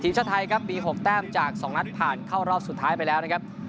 ทีมชาติไทยครับมี๖แต้มจาก๒นัดผ่านเข้ารอบสุดท้ายไปแล้วนะครับ